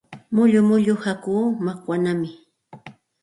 Mullu mullu hakuu makwanaami.